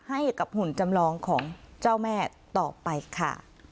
หุ่นจำลองของเจ้าแม่ต่อไปค่ะ